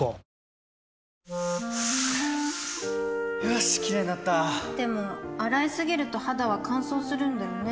よしキレイになったでも、洗いすぎると肌は乾燥するんだよね